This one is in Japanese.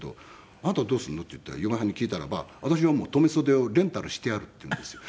「あなたはどうするの？」って言って嫁はんに聞いたらば「私はもう留め袖をレンタルしてある」って言うんですよ。